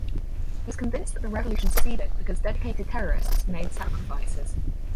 He was convinced that the revolution succeeded because dedicated terrorists made sacrifices.